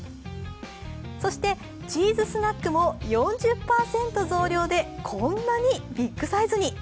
そしてチーズスナックも４０％増量でこんなにビッグサイズに。